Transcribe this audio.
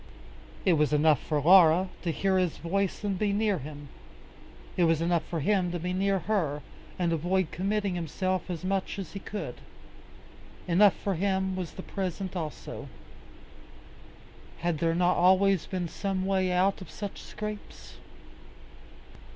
It was enough for Laura to hear his voice and be near him. It was enough for him to be near her, and avoid committing himself as much as he could. Enough for him was the present also. Had there not always been some way out of such scrapes?